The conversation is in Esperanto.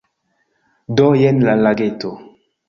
Do, jen la lageto